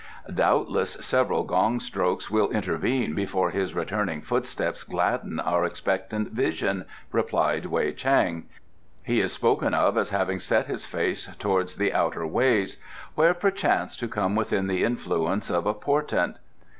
"Doubtless several gong strokes will intervene before his returning footsteps gladden our expectant vision," replied Wei Chang. "He is spoken of as having set his face towards the Outer Ways, there perchance to come within the influence of a portent."